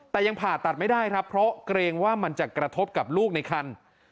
แต่ยังผ่าตัดไม่ได้ครับเพราะเกรงว่ามันจะกระทบกับลูกในคัน